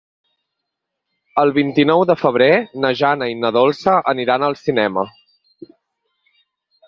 El vint-i-nou de febrer na Jana i na Dolça aniran al cinema.